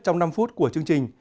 trong năm phút của chương trình